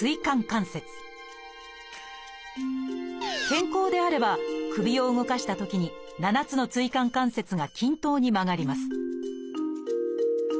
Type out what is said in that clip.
健康であれば首を動かしたときに７つの椎間関節が均等に曲がります